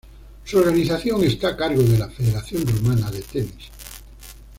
Su organización está a cargo de la Federación Rumana de Tenis.